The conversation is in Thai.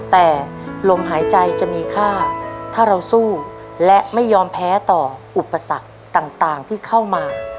แต่ลมหายใจจะมีค่าถ้าเราสู้และไม่ยอมแพ้ต่ออุปสรรคต่างที่เข้ามา